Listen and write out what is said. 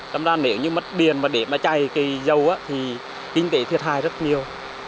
tâm ra nếu như mất điện để chạy dâu thì kinh tế thiệt hại rất nhiều